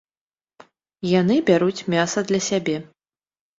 Яны бяруць мяса для сябе.